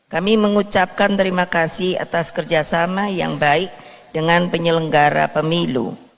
kami mengucapkan terima kasih atas kerjasama yang baik dengan penyelenggara pemilu